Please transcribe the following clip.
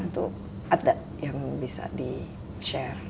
atau ada yang bisa di share